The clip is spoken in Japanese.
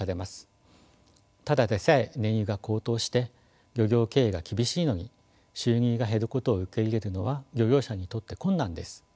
ただでさえ燃油が高騰して漁業経営が厳しいのに収入が減ることを受け入れるのは漁業者にとって困難です。